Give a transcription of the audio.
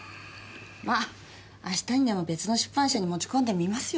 まあ明日にでも別の出版社に持ち込んでみますよ。